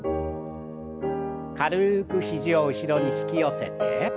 軽く肘を後ろに引き寄せて。